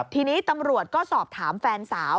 ทีนี้ตำรวจก็สอบถามแฟนสาว